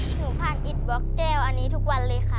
หนูผ่านอิตบล็อกแก้วอันนี้ทุกวันเลยค่ะ